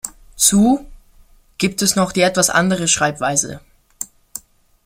Zu 幺 gibt es noch die etwas andere Schreibweise 乡.